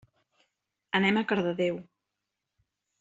Anem a Cardedeu.